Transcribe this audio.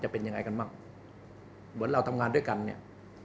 เป็นยังไงกันบ้างเหมือนเราทำงานด้วยกันเนี่ย